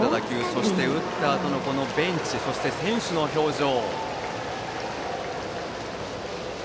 そして打ったあとのベンチ、そして選手の表情。